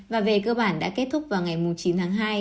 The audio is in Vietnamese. và về cơ bản đã kết thúc vào ngày chín tháng hai